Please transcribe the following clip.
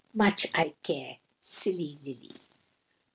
"Much I care, silly Lily!"